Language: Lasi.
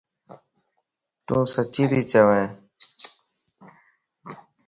تون سچي تي چوين؟